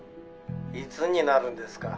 いつになるんですか？